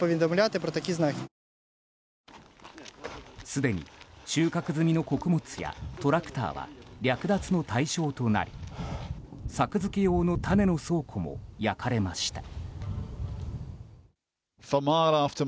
すでに収穫済みの穀物やトラクターは略奪の対象となり作付け用の種の倉庫も焼かれました。